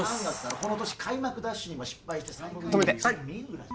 この年開幕ダッシュにも失敗して止めて！